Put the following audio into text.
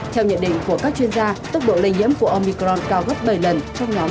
theo nhận định của các chuyên gia tốc độ lây nhiễm của omicron cao gấp bảy lần